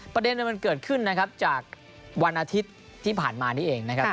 ประเด็นมันเกิดขึ้นนะครับจากวันอาทิตย์ที่ผ่านมานี่เองนะครับ